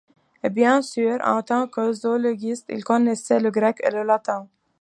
Bien sûr, en tant que zoologiste, il connaissait le grec et le latin.